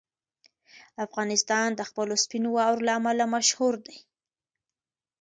افغانستان د خپلو سپینو واورو له امله مشهور دی.